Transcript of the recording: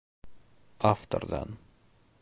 Авторҙан